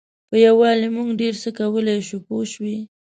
په یووالي موږ ډېر څه کولای شو پوه شوې!.